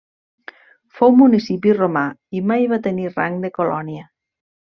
Fou municipi romà i mai va tenir rang de colònia.